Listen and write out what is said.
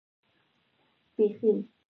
پښين